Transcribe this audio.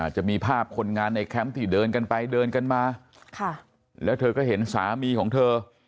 จะมีภาพคนงานในแคมป์ที่เดินกันไปเดินกันมาแล้วเธอก็เห็นสามีของเธอ